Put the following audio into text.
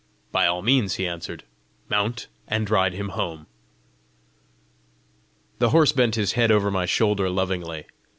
"By all means!" he answered. "Mount, and ride him home." The horse bent his head over my shoulder lovingly.